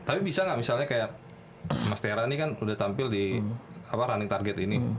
tapi bisa nggak misalnya kayak mas tera ini kan udah tampil di running target ini